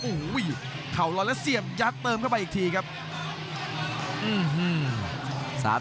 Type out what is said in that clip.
โอ้โหข่าวลอแล้วเซียมยากเติมเข้ามาอีกทีครับ